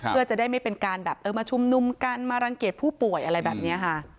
เพื่อจะได้ไม่เป็นการแบบเออมาชุมนุมกันมารังเกียจผู้ป่วยอะไรแบบนี้ค่ะ